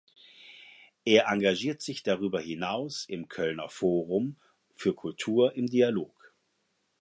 Er engagiert sich darüber hinaus im Kölner Forum für Kultur im Dialog.